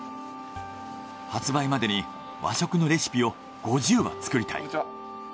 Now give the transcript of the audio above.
発売までに和食のレシピを５０は作りたい。